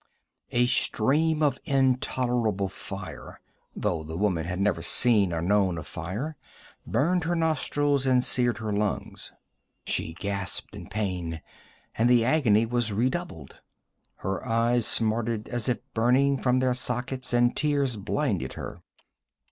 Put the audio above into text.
A stream of intolerable fire though the woman had never seen or known of fire burned her nostrils and seared her lungs. She gasped in pain, and the agony was redoubled. Her eyes smarted as if burning from their sockets, and tears blinded her.